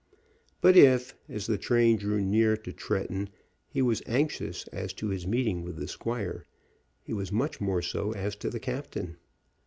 But if, as the train drew near to Tretton, he was anxious as to his meeting with the squire, he was much more so as to the captain.